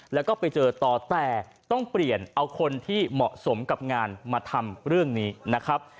แล้วก็ไปเจอต่อแต่ต้องเปลี่ยนเอาคนที่เหมาะสมกับงานมาทำเรื่องนี้นะครับ